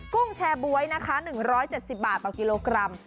กุ้งแชร์บ๊วยนะคะ๑๗๐บาทต่อกิโลกรัม